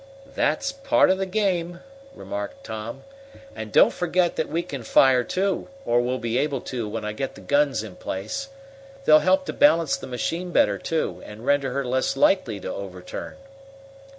"That's part of the game," remarked Tom. "And don't forget that we can fire, too or we'll be able to when I get the guns in place. They'll help to balance the machine better, too, and render her less likely to overturn."